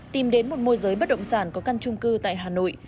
tìm đến một môi giới bất động sản có căn trung cư tại hà nội